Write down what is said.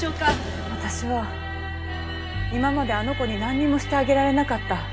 私は今まであの子になんにもしてあげられなかった。